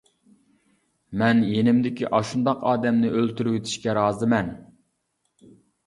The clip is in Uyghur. مەن يېنىمدىكى ئاشۇنداق ئادەمنى ئۆلتۈرۈۋېتىشكە رازىمەن.